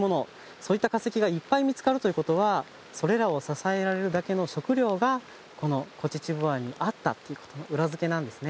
そういった化石がいっぱい見つかるということはそれらを支えられるだけの食料がこの古秩父湾にあったっていうことの裏付けなんですね